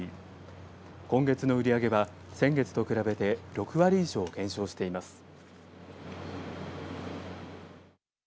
今月の売り上げは、先月と比べて６割以上減少しています。